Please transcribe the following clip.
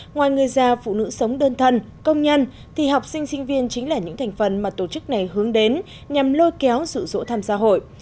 ngoài người già phụ nữ sống đơn thân công nhân thì học sinh sinh viên chính là những thành phần mà tổ chức này hướng đến nhằm lôi kéo rụ rỗ tham gia hội